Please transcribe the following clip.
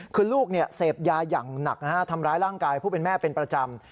คือลูกเสพยาอย่างหนักทำร้ายร่างกายผู้เป็นแม่เป็นประจำ